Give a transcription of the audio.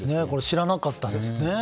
知らなかったですね。